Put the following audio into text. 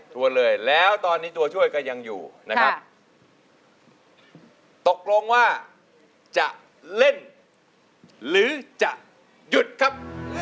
วนเลยแล้วตอนนี้ตัวช่วยก็ยังอยู่นะครับตกลงว่าจะเล่นหรือจะหยุดครับ